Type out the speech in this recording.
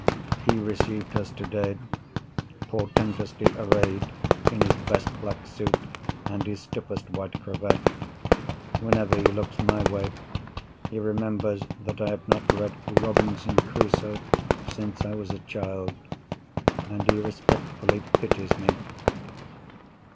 He received us today, portentously arrayed in his best black suit, and his stiffest white cravat. Whenever he looks my way, he remembers that I have not read Robinson Crusoe since I was a child, and he respectfully pities me.